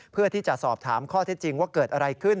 เพื่อที่จะสอบถามข้อเท็จจริงว่าเกิดอะไรขึ้น